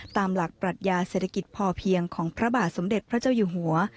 ตามหลักปรัชญาเศรษฐกิจพอเพียงของพระบาทสมเด็จพระเจ้าอยู่หัว